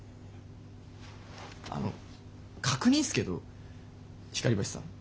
あの確認っすけど光橋さん。